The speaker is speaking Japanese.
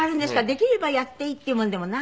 できればやっていいっていうものでもないの？